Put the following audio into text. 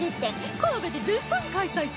神戸で絶賛開催中